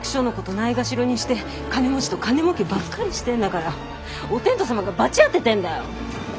ないがしろにして金持ちと金もうけばっかりしてんだからお天道様が罰当ててんだよ！